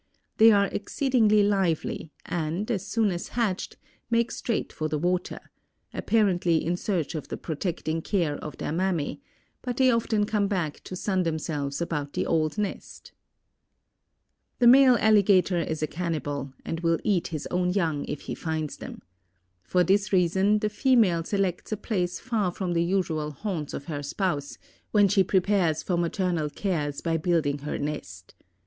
They are exceedingly lively, and, as soon as hatched, make straight for the water—apparently in search of the protecting care of their mammy—but they often come back to sun themselves about the old nest. The male alligator is a cannibal, and will eat his own young if he finds them. For this reason the female selects a place far from the usual haunts of her spouse when she prepares for maternal cares by building her nest.